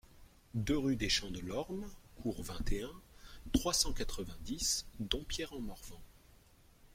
deux rue des Champs de Lormes (Cour, vingt et un, trois cent quatre-vingt-dix, Dompierre-en-Morvan